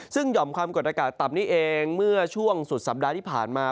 ซึ่งหย่อมความกดอากาศต่ำนี้เองเมื่อช่วงสุดสัปดาห์ที่ผ่านมา